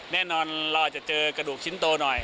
แน่นอนเราอาจจะเจอกระดูกชิ้นโตหน่อย